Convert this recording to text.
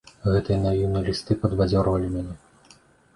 Гэтыя наіўныя лісты падбадзёрвалі мяне.